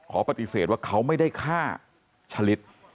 ขอปฏิเสธว่าเขาไม่ได้ฆ่าชะลิด